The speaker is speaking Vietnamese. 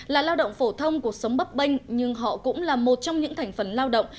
là lao động phổ thông cuộc sống bấp bênh nhưng họ cũng là một trong những thành phần lao động